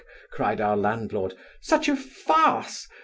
(cried our landlord) such a farce!